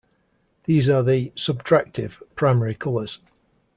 These are the "subtractive" primary colors.